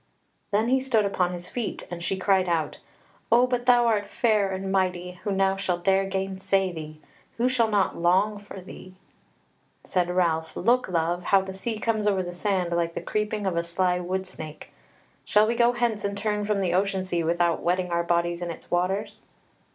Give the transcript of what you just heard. Then he stood upon his feet, and she cried out: "O but thou art fair and mighty, who now shall dare gainsay thee? Who shall not long for thee?" Said Ralph: "Look, love! how the sea comes over the sand like the creeping of a sly wood snake! Shall we go hence and turn from the ocean sea without wetting our bodies in its waters?"